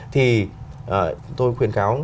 thì tôi khuyên kháo